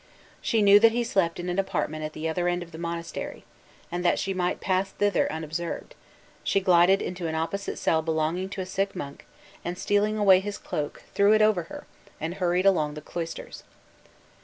She knew that he slept in an apartment at the other end of the monastery; and that she might pass thither unobserved, she glided into an opposite cell belonging to a sick monk, and stealing away his cloak, threw it over her, and hurried along the cloisters.